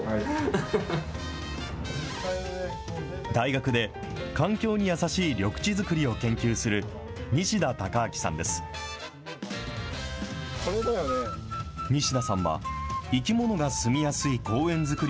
大学で環境に優しい緑地づくりを研究する、西田貴明さんです。